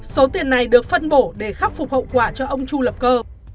số tiền này được phân bổ để khắc phục hậu quả cho ông chu lập cơ